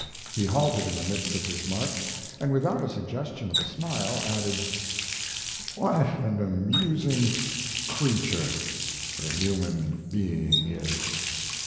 He halted in the midst of his march, and without a suggestion of a smile added: "What an amusing creature the human being is!"